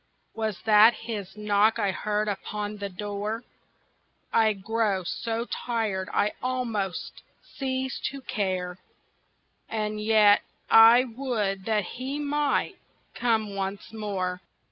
Was that his knock I heard upon the door? I grow so tired I almost cease to care, And yet I would that he might come once more.